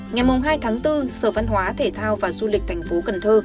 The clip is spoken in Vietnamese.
ngày hai tháng bốn sở văn hóa thể thao và du lịch tp hcm